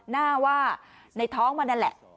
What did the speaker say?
หน้าว่าในท้องมันนั่นแหละ